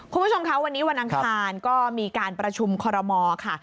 คุณผู้ชมคะวันนี้วันอังคารก็มีการประชุมคอรมอค่ะ